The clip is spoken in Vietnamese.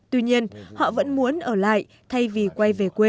tuy nhiên họ vẫn muốn ở lại thay vì quay về quê